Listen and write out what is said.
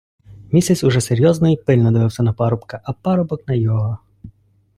Місяць уже серйозно й пильно дивився на парубка, а парубок на його.